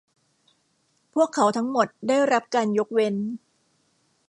พวกเขาทั้งหมดได้รับการยกเว้น